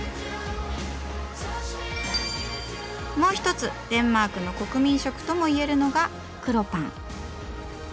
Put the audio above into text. もう一つデンマークの国民食とも言えるのが黒パン。